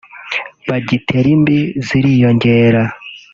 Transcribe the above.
bagiteri mbi ziriyongera